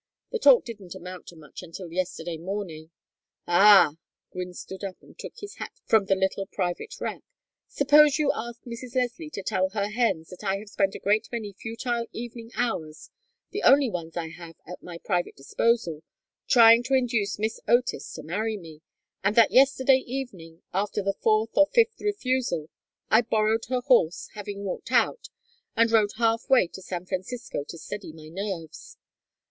The talk didn't amount to much until yesterday morning " "Ah!" Gwynne stood up and took his hat from the little private rack. "Suppose you ask Mrs. Leslie to tell the hens that I have spent a great many futile evening hours, the only ones I have at my private disposal, trying to induce Miss Otis to marry me, and that yesterday evening, after the fourth or fifth refusal, I borrowed her horse, having walked out, and rode half way to San Francisco to steady my nerves.